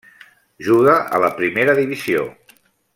Juga a la Primera Divisió.